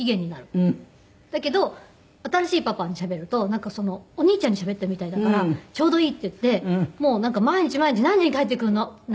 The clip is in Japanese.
だけど新しいパパにしゃべるとなんかお兄ちゃんにしゃべっているみたいだからちょうどいいっていってもう毎日毎日何時に帰ってくるの？